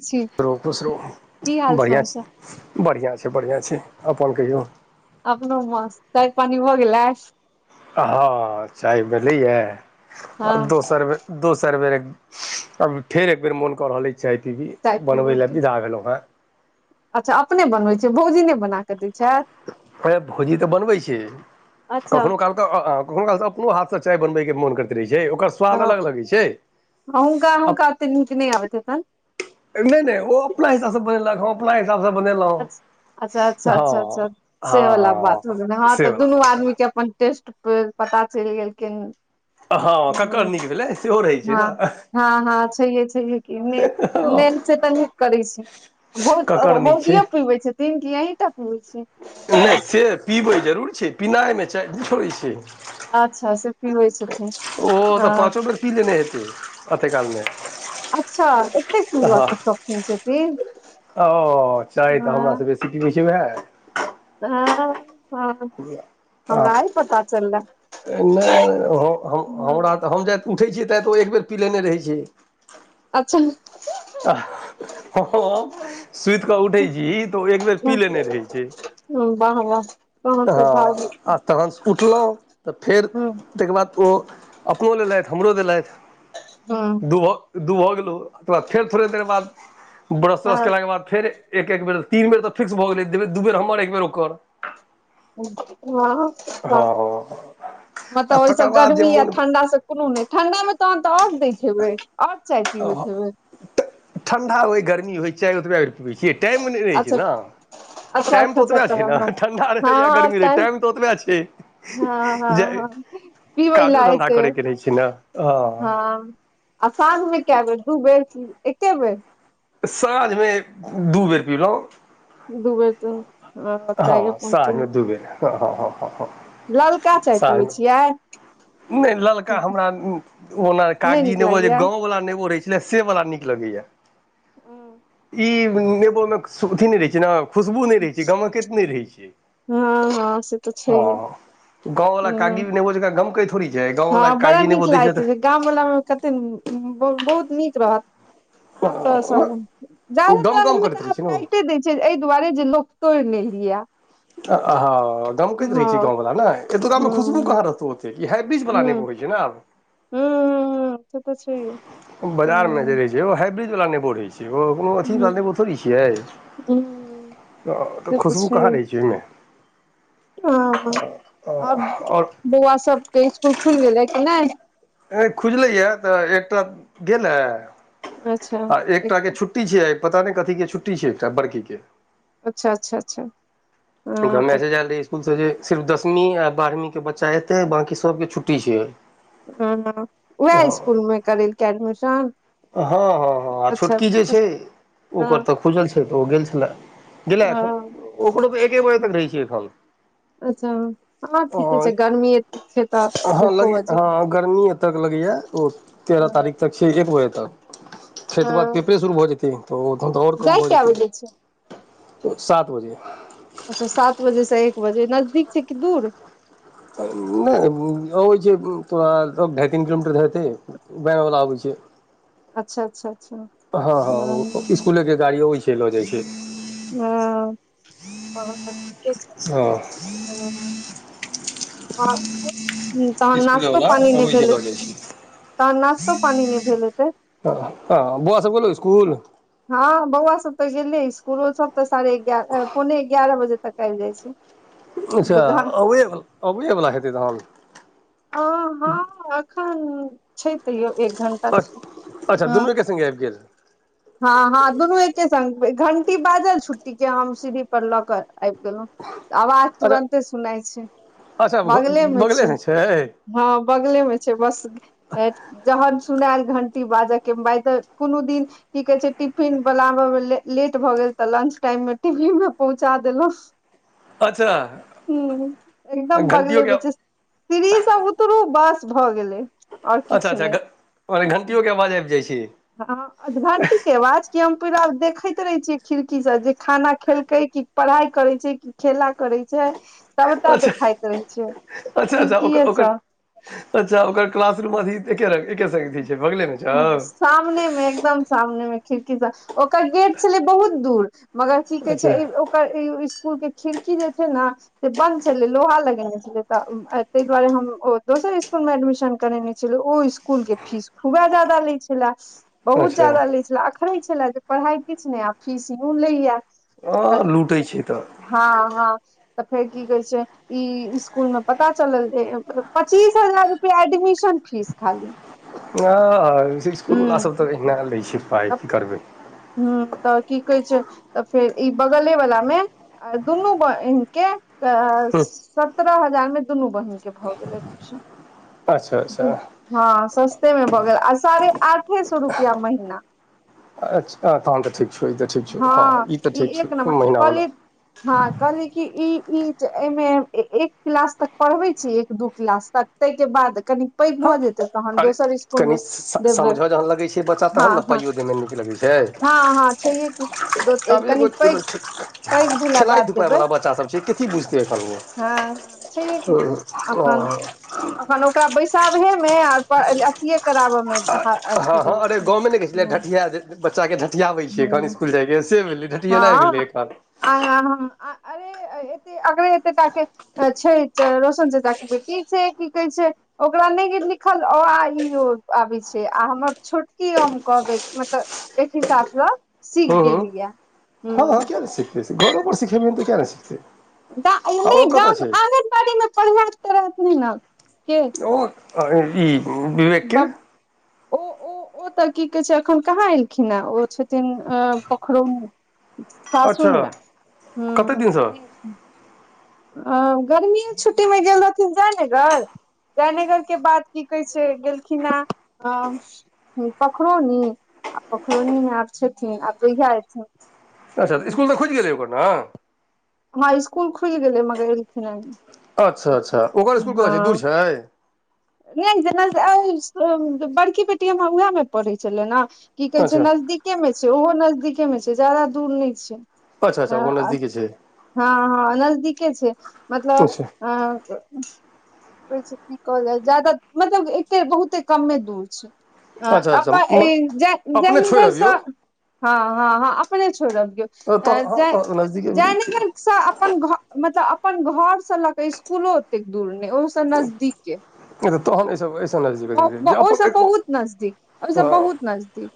छी ख रहू खुश की रहू हाल बढ़िआँ समाचार बढ़िआँ छै बढ़िआँ छै अपन कहियौ अपनो मस्त चाय पानि भऽ गेलै हँ चाय भेलै हँ है दोसर दोसर बेर आब फेर एक बेेर मोन कऽ रहले चाय पीबी चाय भ बनबे पीबो ल के विदा भेलो हेँ अच्छा अपने बनबैत छियै भौजीने बना कऽ दै छथि अ भौजी तऽ बनबै छी अच्छा कखनो काल तऽ हुनकासँ अपनो हाथसँ चाय बनबैके मोन करैत रहै छै ओकर स्वाद अलग लगै छै हँ हुनका हुनका एते नीके नहि आबैत हेतन नहि नहि ओ अपना हिसाबसँ बनेलक हँ अपना हिसाब से बनेलहुं अच्छा अच्छा अच्छा हँ अच्छा से वला हँ बात हो गेलै ह हँ से तऽ बला दुनू आदमी बात के अपन टेस्ट परे पता चलि गेलखिन हँ ककर नीक भेलै सेहो रहैत छै हँ ने हँ हँ छैहे छैेहे कि मेन से त न करै छी बहुत ककर नीक बहुत छै पीबै छथिन की अहिंटा पीबै छीयै नहि से पिबै जरूर छै पिनाइमे चाय नहि छोड़ै छै अच्छा से पीबै छथिन ओ तऽ हँ पाँचो बेर पी लेने हेतै अते कालमे अच्छा एतेक हँ पीबके शौकीन छथिन ओ चाय तऽ हँ हमरासँ बेसी पीबै छै वएह हँ हँ आ हमरा आइ पता चलले नहि नहि ओ हो हँ, हमरा तऽ हम उठै छियै तै तऽ ओ एक बेर पिलेने रहै छै अच्छा हह सुति कऽ उठे छी तऽ ओ एक बेर पी लेने रहे छै ह बाह बाह हँ आ तखन उठलहुँ तऽ फेर हूँ हूँ ताहि केँ बाद ओ अपनो लेलथि हमरो देलथि हँ दूहो गेलोह ओ तकर बाद फेर थोड़े देर बाद ब्रश त्रश हँ केलाके बाद फेर एक एक बेर तीन बेर तऽ फिक्स भऽ गेलै दू बेर हमर एक बेर ओकर हँ हँ आ मतलब ओहिसँ तकर बाद जे गर्मी या मोन ठंडा से कोनो नहि ठंडा मे तहन तऽ आओर दैत हेबै आओर चाय पीबैत हेबै तऽ ठण्ढा होय गर्मी होय चाय ओतबा बेर पीबै छियै टाइममे नहि रहै छै अच्छा ने अच्छा टाइम अच्छा तऽ अच्छा ओतबे त छै ने हँ ठण्डा रहै या गर्मी रहै टाइम तऽ ओतबे हँ हँ छै जे हँ पीबै काजो लए धन्धा एतै करयके रहै छै ने हँ आ साँझमे कए बेर दू बेर की एके बेर साँझमेएक दू बेर पीलहुँ दू बेर पी हँ सझमे द दुबर हँ ह ह ह ललका चाय पीबै छियै नहि ललका हमरा ओना नहि कागजी नीक नेबो जे लागैया गाँंववला नेबो रहै छले से वला नीक लगैया ह ई नेबोमे अथी नहि रहै छै ने खुशबू नहि रहै छै गमकेैत नहि रहै छै हँ से तऽ छैहे हँ गाँववाला ह कागजी नेबो जका गमकई थोरि छै हँ गाँववला बड़ा कागजी नीक नेबो दै लागैत तऽ रहै छै गामवला मे कते बहु बहुत नीक रहत आ तऽ सब जादा गम तऽ गम आदमी करैत तऽ रहै आब छै ने काइटे दै छै एहि दुआरे जे लोक तोड़ि नहि लियै हँ अहा दमकैत रहै छै गाँवला ने एत त गाममे खुशबू हूं कहाँ रहतौ ओते ई हाइब्रिज वला हूं नेबो होइ छै ने हूं से तऽ छैहे बाजारमे जे हूं रहै छै ओ हाइब्रिडवला नेबो रहैत छै ओ कोनो अथीवला हूं नेबो थोड़े छियै हूं तऽ ओत खुशबू कहाँ रहै छै ओहिमे हं आब आओर बौआ सबके स्कुल खुलि गेलै कि ने खुजले या तऽ एकटा गेले आ एकटा के छु ट्टी छै आ पता नहि कथी के छुट्टी छै एकटा बड़की के अच्छा अच्छा अच्छा ओकरा हँ तऽ मैसेज एल रहै स्कूल स जे सिर्फ दसवीं आ बारहवीं के बच्चा एते आ बांकी सब के छुटी छैै ह उएह इसकुलमे करेलकै एडमिशन हँ हँ हँ आ अच्छा छोटकी जे छै ओकर हँ तऽ खुजल छै तऽ ओ गेल छलए गेलै हँ अखन ओकरो तऽ एके बजे तक रहै छियै एखन अच्छा हँ ऑ ठीके छै गर्मी छै तऽ आहां लग एको बजे हँ गर्मी एतक लगैया ओ तेरह तारीख तक छै [unintelligible] एक बजे तक तैके बाद हँ पेपरे शुरू भऽ जेतै तऽ ओ त आओर कम जाइ भऽ कए जेतै बजे छै सात बजे अच्छा सात बजेसँ एक बजे नजदीक छै कि दूर नहि अबैत छै तोरा [unintelligible] ढ़ाइ तीन किलोमीटर हेतै वैसे वला अबैत छै अच्छा अच्छा अच्छा हँ हँ इसकुले के गाड़ियो अबै छै ल जाइ छै हँ ह तऽ ठीके छै ह हं तहन नाश्तो इसकुलेवला पानी नहि अबै छै भेलैह लऽ जाइ छै तहन नाश्तो पानी नहि भेल हेतै ह बौआ सब गेलौ इसकुल हँ बौआ सब त गेलै स्कूल इ सब ते साढ़े ए पौने एगारह बजे तक आबि जाय छै [inaudible] अच्छा घर अबैए अबैएवला हेतै तहन हं हँ एखन छै तैयो एक घण्टा अ अच्छा दुनू एके सङ्गे आबि गेल हँ हँ दुनू एक के स घंटी बाजल छुट्टी के हम सीढ़ी पर ल के आबि गेलहुं आवाज अच्छा तुरन्ते सुनाइ छै बगले मे छै है हँ बगले में छै बस जहन सुनायल घंटी बाजय के बाय त कोनो दिन की कहै छै टिफिन बलाबय मे ले लेट भऽ गेल तऽ लंच टाइम मे टिफिन मे पहुँचा देलहुँ अच्छा हूं एकदम बगले घण्टियोके में छै सिढ़ी स उतरू बस भऽ गेलै और अच्छा किछ अच्छा नै घ मने घण्टिओके आवाज आबि जाइत छै हँ अधधंटी के अवाज क हम पूरा देखैत रहे छीयै खिड़की स जे खाना खेलकै कि पढ़ाई करे छै खेला करै छै सबटा अच्छा देखाइत रहै छै अच्छा अच्छा खिड़कीये ओकर सँ अच्छा ओकर क्लास रूम अ एके रंग एके संग छै बगले मे सामने मे एकदम सामने मे खिड़की सब ओकर गेट छलै बहुत दूर मगर की कहे अच्छा छै ओकर स्कूल के खिड़की जे छै ने से बंद छलै लोहा लगेने छलै तऽ ताहि दुआरे हम ओ दोसर स्कुल मे एडमिशन करेने छी ओ स्कुल के फीस खुबे ज्यदा लै छले बहुत अच्छा ज्यदा लै छलेय अखरै छले जे पढ़ाई किछु नहि आ फीस सेहो लेया हँ लूटैत छै तऽ हँ हँ तऽ फेर की कहै छै ई स्कूल में पता चलल जे पचीस हजार रुपया एडमिशन फीस खाली ह स्कूल हूं सब तऽ एहनय लै छै पाइ की करबै ह तऽ की कहै छै तऽ फेर ई बगले वला मे आ दुनू बहिन के तऽ हूँ सत्रह हजार मे दुनू बहिनक के भऽ गेलै एडमिशन अच्छा अच्छा हँ सस्ते मे भऽ गेल आ साढ़े आठे सए रुपआ महीना अ ताँ तऽ ठीक छौ ई त ठीक छौ ह हँ ई तऽ ठीक एक नम्बर छौ महीना कहली वाला हँ कहली की ई ई एहिमे एक क्लास तक पढ़बे छी एक दू क्लास तक ताहि के बाद कनी पैघ हँ भऽ जेते तहन अरे दोसर दोसर स्कूल कनि में देबै समझऽ जहन लगै छै बच्चा तहन ने पाइयो दैमे नीक लगै छै सेहे की कि आब एगो कनि एगो पैग भेला खेलाइ बाद देबै धुपाइवला बच्चासभ छै कथी बुझतै एखन हँ ह छै हय कि ओ अखन हँ अखन ओकरा बैसाबहे मे आर अथिए कराबऽ मे हा- अथी हँ हँ रहै अरे छै गाँवमे ने कहै छलै ह डटिया जेते बच्चा के डटियाबै छै तखन ह स्कुल जाइ छै से भेलै ने हँ आ अरे एकरे अते टा के छै रोसन चचाके बेटी से छै की कहै छै ओकरा नहि लिखल अआ ई आबै छै आ हमर छोटकी हम कहबै मतलब एक हिसाब स शीख हूँ हूँ गेलय यै हँ हँ किए नहि सिखतै घरोपर सिखेबहै तऽ किया न सिखतै ओ कतऽ छै आगनबाड़ी मे पढ़ त रहत ने के आ ई विवेकके बब ओ ओ ओ तऽ की कहै छै एखन कहाँ एलखिन हेँ ओ छथिन अ पोखरौनी अच्छा सासुरमे ह कते दिनसँ ह अ गर्मीए छुट्टीमे गेल रहथिन जायनगर जयनगर के बाद की कहै छै गेलखिन हे अ ह पोखरौनी आ पोखरौनीमे आब छथिन आ जहिया एथिन अच्छा तऽ स्कूल तऽ खूजि गेलै ओकर न हाइ स्कूल खुल गेलै मगर एलखिन नहि अच्छा अच्छा ओकर स्कूल कहै छै दूर छै नहि जेना बड़की बेटी हमर उएहमे पढ़ै छलै न की कहै छै अच्छा नजदीके में छै ओहो नजदीके में छै ज्यदा दूर नहि छै अच्छा अच्छा आ ओ हँ नजदीके छै हँ नजदीके छै मतलब अच्छा अ कहै छै की ज्यदा मतलब एके बहुते कमे दूर छै अच्छा अच्छा म अपने छोड़ि जयनगर सँ अबियौ हँ हँ हँ अपने छोड़बियौ तऽ अ हँ ज तऽ नजदीके भेलै की। जयनगरसँ अपन घर मतलब अपन घर से लऽ के स्कूलो ओतेक दूर ने ओह से नजदीके त तहन ब- एसय ब- ओहिसँ बहुत नजदीक ओहिसँ बहुत नजदीक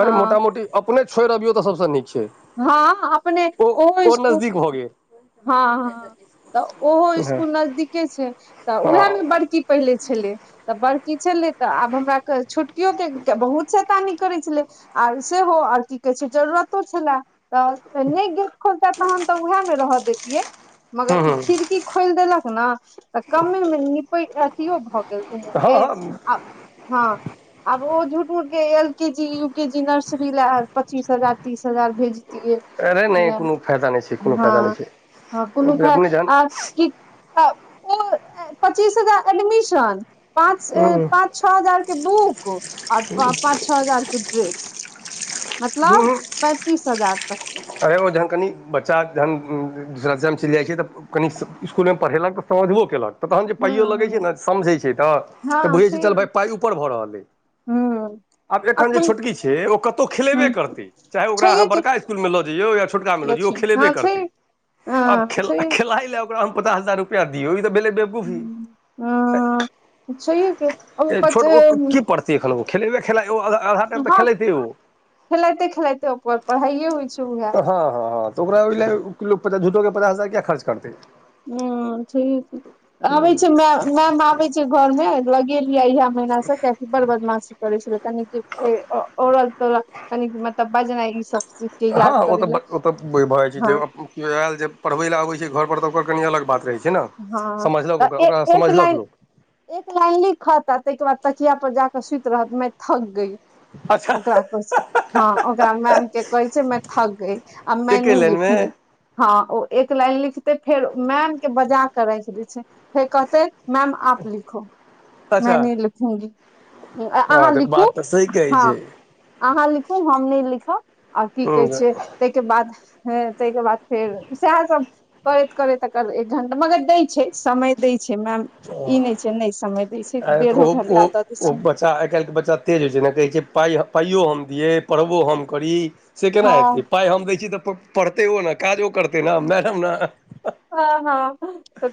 अरे हँ मोटा मोटी अपने छोड़ि अबियौ तऽ सभसँ नीक छै हँ अपने ओ ओहो ओ स्कूल नजदीक भऽ गेल हँ हँ तऽ ओहो हँ इसकुल नजदीके छै तऽ उएहमे हँ बड़की पहिले छलै तऽ बड़की छलै तऽ आब हमरा छोटकियोके बहुत शैतानी करैत छलै आर सेहो आर की कहे छै जरूरतो छलैह तऽ नहि गेलख तहन तऽ उएह मे रह दैतियै मगर ई हँ खिड़की खोलि देलक ने तऽ कमेमे निपै अथियो भऽ गेल दुनूके हँ आ हँ आब ओ झूठू मूठ के L K G U K G nursery ले पच्चीस हजार तीस हजार भेज अरे नहि हँ कोनो फायदा नहि छै कोनो फायदा नहि छै हँ कोनो फाय अपने जहन आ पच्चीस हजार एडमिशन पाँच हूँ छ हजार के बुक आर पाँच छ हजार के ड्रेस मतलब पैंतीस हजार तक के अगर ओ जखन कनि बच्चा जखन दूसरा ए्जम चलि जाइ छै तऽ कनि इसकुलमे पढ़ेलक तऽ समझबो कयेलक तऽ तहन जे हूं पाइयो लगैत छै हूं ने समझै छै तऽ तऽ हँ बुझैत छै चल ठीक भाइ पाइ ऊपर भऽ रहल अइ हूं आब एखन जे अखन छोटकी छै ओ कतौ हूं खेलेबे करते चाहे ओकरा अ छैहे कि बड़का स्कूल मे ल यौ या छोटका मिलो ज ओ अथी खेलेबे हँ छै करते अब हँ खेल छै खेल ताहि लै ओकरा हम पचास हजार रूपया लिये ई तऽ भेलै बेबकुफी हँ छैहे के ओ पच अ, छोट की पड़तै एन खेलेबे खेला आधा टाइम तऽ हँ खेलेत ओ खेलाइते खेलाइते ओर पढ़ाइये होइ छै उह हँ हँ हँ तऽ ओकरा ओहिए किलो प झूठोके पचास हजार किया खर्च करतै ह ठीक आबे छी मैम आबे छी घर मे लग अहिया महिना से बर बदमाशी करै छलै कनि ओरल तोकनि ईहे बनाई तब बजना ई सब के हँ याद ओ करे तऽ ला ओ तऽ भऽ जाइ छै जे हँ केओ आयल जे पढ़बै लऽ अबै छै घर पर तऽ ओकर कनी अलग बात रहै छै छै ने हँ समझलक तऽ ओकरा एक समझलक लाइन लोक एक लाइन लिखत आ ताहिके बाद तकिया पर जाके सुति रहत मै थक गयी अच्छा ओकराखस हँ ओकरा मैम के कहै छै मैं थक गई ब मैं एके नही लाइनमे लिखूंगी हँ ओ एक लाइन लिखते फेर मैम के बजा क राखि दै छै फेर कहते मैम आप लिखो में अच्छा नही लिखूंगी हँ अहाँ तऽ लिखू बात तऽ सही कहै हँ अहाँ लिखू हम नहि लिखब आ की कहै छै ताहिके बाद ह ताहिके बाद फेर सएह सब करैत करैत एकर घंटा मगर दै छै समय दय छै मैम ई नहि छै नहि समय दै छै अरे तऽ डेढ़ो ओ ओ घंटा दऽ दै ओ छै बच्चा आइ काल्हिके बच्चा तेज होइ छै जे कहैत छै पाइ पाइयो हम दियै पढ़बो हम करी से केना हँ हेतै पाइ हम दै छी तऽ पढ़तैो ने काजो करतै ने मैडम ने हँ हँ तऽ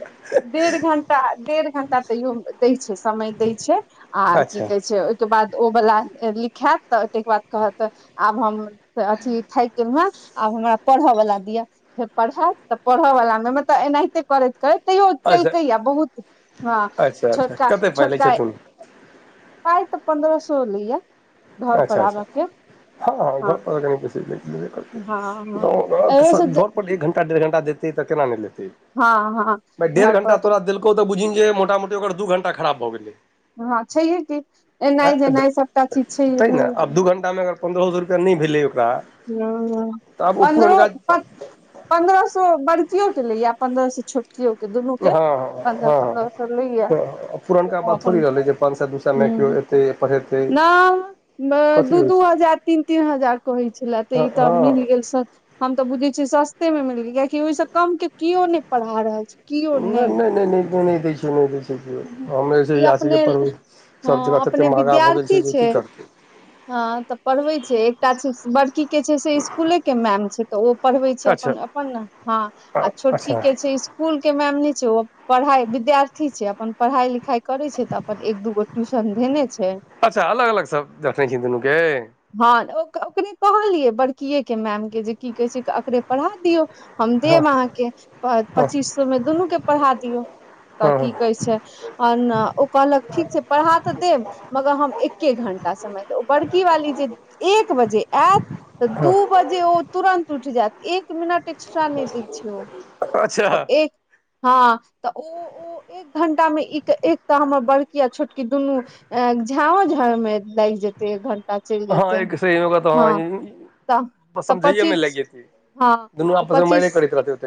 डेढ़ घंटा डेढ़ घंटा तैयो दै छै समय दय छै आ की अच्छा कहे छै हि के बाद ओ वला लिखायत तऽ ताहिके बाद कहत आब हम तऽ अथी थाकेलहु हेँ आब हमरा पढ़यवला दिअ फेर पढ़त तऽ पढ़ऽ वला मे मतलब एनाहिते करैत करैत तैयो अच्छा केलकै या बहुत हँ अच्छा अच्छा छोटका कतेक पाइ लै छोटका छथुन पाय तऽ पन्द्रह सए ल य अच्छा अच्छा हँ हँ घर प हँ हँ एहो सब जे दौड़ एक घण्टा डेढ़ घण्टा देतै तऽ केना नहि हँ हँ लेतै डेढ़ घर घं टा पर तोरा देलकौ तऽ बुझिन जे मोटा मोटी ओकर दू घंटा खराब भऽ गेलै हँ छैहे की एनाइ जेनाइ सबटा चीज छै तै ने भरि आब दू घंटामे अगर पन्द्रह सए रुपैआ नहि भेलै ओकरा ह तऽ आब ओ पन्द्रहो पुरनका पन्द्रह सौ बर्चियै के लैय पन्द्रह स छोटकियो के दुनू हँ के हँ पह पन्द्रह हँ सौ लैया तऽ पुरनका बात थोड़ी अपन रहलै जे पाँच सए दू ह सएमे केओ एतै पढ़ेतै न नहि कथी दू होइ दू छै हजार तीन तीन हजार कहै छै छले त हँ ई तऽ हँ मिल टेन्सन हम तऽ बुझे छीय सस्ते मे मिल कियाकि ओहि से कम के कियो नहि पढ़ा रहल छै नहि नहि नहि नहि नहि दै छै द ठ हममे जे ई इएह अपने हँ सब जगह अपने ततेक महगा भऽ गेल विद्यार्थी छै जे की करतै हँ तऽ पढ़बे छै एकटा छै बड़की के छै से इसकुले के मैम छै तऽ ओ पढ़बै छै अच्छा अपन अपन हँ आ छोटकी अच्छा के छै ईस्कुल के मैम न छै ओ पढ़ाई विद्यार्थी छै अपन पढ़ाई लिखाई करे छै तऽ अपन एक दू गो ट्यूशन धेने छै अच्छा अलग अलग सब दखखने छि दुनूके हँ ओ ओकरे कहलियै बड़किएके मैमके जे की कहै छै ओरे पढ़ा दियौ हम देब अहाँके हँ पच्चीस सए मे दुनू के पढ़ा दियौ तऽ हँ की ओ कहलक ठीक छै पढ़ा तऽ देब मगर हम एक्के घण्टा समय दब बड़कि वाली जे एक बजे आयत तऽ दू बजे ओ तुरन्त उठि जायत एक मिनट एकस्ट्रा ने दैओ अच्छा छै हँ तऽ उ उ एक घंटा मे ई एक त हमर बड़कि आ छोटकि दुनू झाओ झाड़मे लागि जेतै एक घंटा चलि हँ जेतै एक सही होगा तऽ हँ तऽ तऽ समझैएमे लागि पच्चीस जेतै हँ दुनू आपसमे मारे पच्चीस करैत रहतै